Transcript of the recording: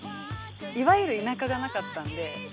いわゆる田舎がなかったんで。